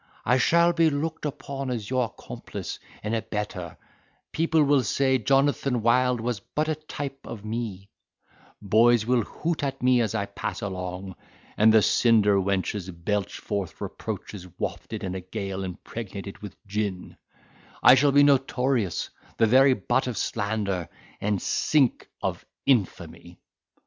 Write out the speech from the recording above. I shall be looked upon as your accomplice and abettor—people will say Jonathan Wild was but a type of me—boys will hoot at me as I pass along; and the cinder wenches belch forth reproaches wafted in a gale impregnated with gin: I shall be notorious—the very butt of slander, and sink of infamy!"